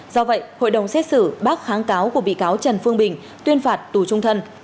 do vậy hội đồng xét xử bác kháng cáo của bị cáo trần phương bình tuyên phạt tù trung thân